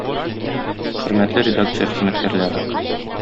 Хөрмәтле редакция хезмәткәрләре!